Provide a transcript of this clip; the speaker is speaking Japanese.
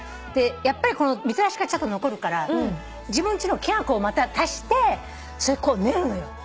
やっぱりこのみたらしがちょっと残るから自分ちのきな粉をまた足してこう練るのよ。